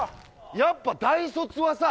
やっぱ大卒はさ